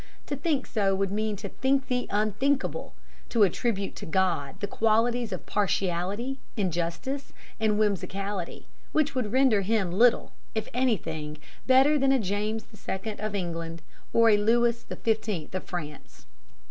To think so would mean to think the unthinkable, to attribute to God qualities of partiality, injustice and whimsicality, which would render Him little, if anything, better than a James the Second of England, or a Louis the Fifteenth of France.